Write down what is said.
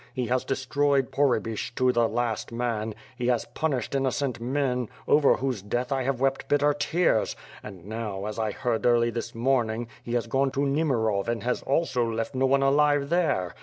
He has destroyed Pohrebyshch to the last man; has punished innocent men, over whose death I have wept bitter tears; and now, as I heard early this morn ing, he has gone to Nimirov and has also left no one alive there.